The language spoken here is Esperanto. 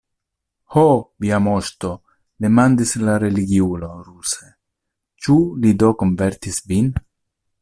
Ho, via moŝto, demandis la religiulo ruse, ĉu li do konvertis vin?